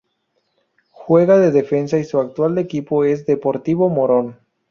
Juega de defensa y su actual equipo es Deportivo Morón.